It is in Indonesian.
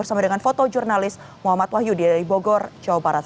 berikan salam bersama dengan foto jurnalis muhammad wahyu di bogor jawa barat